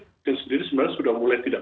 presiden sendiri sebenarnya sudah mulai tidak